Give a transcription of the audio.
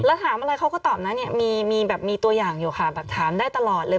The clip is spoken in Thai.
แล้วถามอะไรเขาก็ตอบนะเนี่ยมีแบบมีตัวอย่างอยู่ค่ะแบบถามได้ตลอดเลย